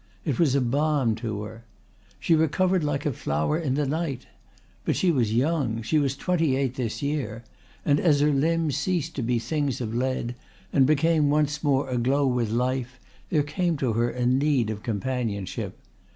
It was a balm to her. She recovered like a flower in the night. But she was young she was twenty eight this year and as her limbs ceased to be things of lead and became once more aglow with life there came to her a need of companionship.